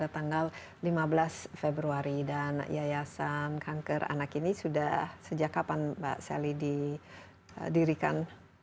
tanggal lima belas februari dan yayasan kanker anak ini sudah sejak kapan mbak sally didirikan